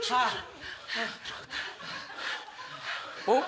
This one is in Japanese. おっ？